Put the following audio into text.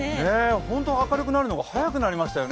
ほんと、明るくなるのが早くなりましたよね。